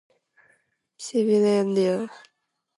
Sibillando